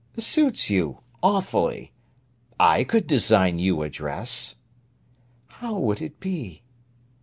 "Suits you—awfully! I could design you a dress." "How would it be?"